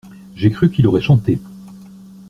J’ai cru qu’il aurait chanté.